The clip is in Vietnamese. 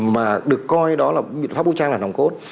mà được coi đó là biện pháp vũ trang là nòng cốt